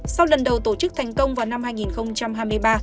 sau lần đầu tổ chức thành công vào năm hai nghìn hai mươi ba